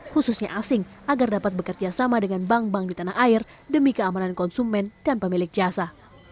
khususnya asing agar dapat bekerja sama dengan bank bank di tanah air demi keamanan konsumen dan pemilik jasa